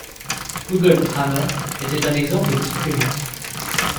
Google hammer était un exemple de screamer.